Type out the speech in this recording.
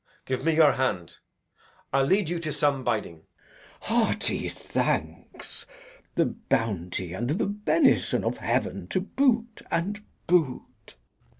Give me your hand; I'll lead you to some biding. Glou. Hearty thanks. The bounty and the benison of heaven To boot, and boot!